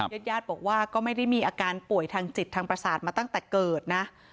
ญาติญาติบอกว่าก็ไม่ได้มีอาการป่วยทางจิตทางประสาทมาตั้งแต่เกิดนะ